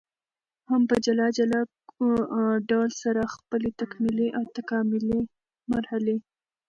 هم په جلا جلا ډول سره خپلي تکمیلي او تکاملي مرحلې